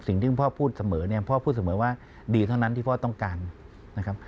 สิ่งที่คุณพ่อพูดเสมอเนี่ยพ่อพูดเสมอว่าดีเท่านั้นที่พ่อต้องการนะครับ